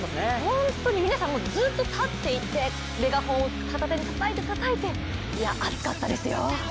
本当に皆さんずっと立っていてメガホンを片手にたたいて、たたいていや、熱かったですよ。